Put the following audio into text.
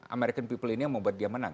american people ini yang membuat dia menang